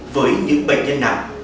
với những bệnh nhân nặng